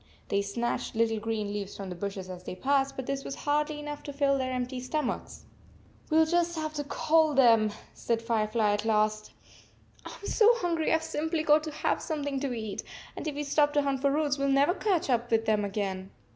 They snatched little green leaves from the bushes as they passed, but this was hardly enough to fill their empty stomachs. 44 We ll just have to call them," said Fire fly at last. 4< I m so hungry I Ve simply got to have something to eat, and if we stop to hunt for roots, we 11 never catch up with them again."